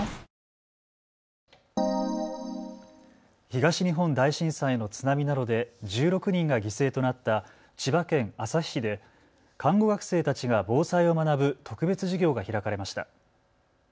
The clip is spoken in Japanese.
東日本大震災の津波などで１６人が犠牲となった千葉県旭市で看護学生たちが防災を学ぶ特別授業が開かれました。